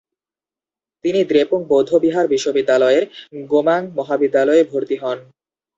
তিনি দ্রেপুং বৌদ্ধবিহার বিশ্ববিদ্যালয়ের গোমাং মহাবিদ্যালয়ে ভর্তি হন।